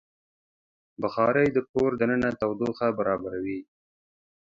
بخاري د کور دننه تودوخه برابروي.